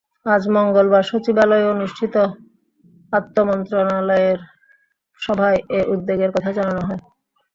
আজ মঙ্গলবার সচিবালয়ে অনুষ্ঠিত আন্তমন্ত্রণালয়ের সভায় এ উদ্যোগের কথা জানানো হয়।